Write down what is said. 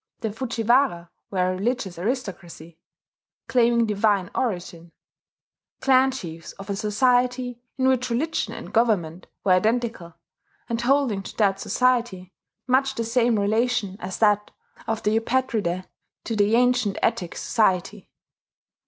The Fujiwara were a religious aristocracy, claiming divine origin, clan chiefs of a society in which religion and government were identical, and holding to that society much the same relation as that of the Eupatridae to the ancient Attic society.